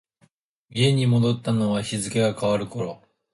家に戻ったのは日付が変わる頃。